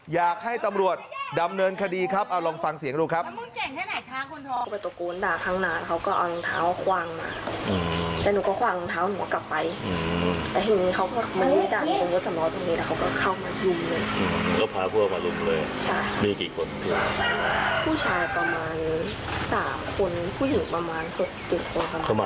อยากให้ตำรวจดำเนินคดีครับเอาลองฟังเสียงดูครับ